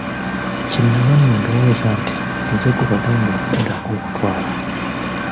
Kye nnava nno ndowooza nti, Nze gwe bagenda okuddako okutwala.